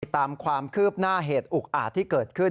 ตามความคืบหน้าเหตุอุกอาจที่เกิดขึ้น